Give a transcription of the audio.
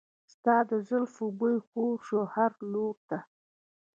د ستا د زلفو بوی خور شو هر لور ته.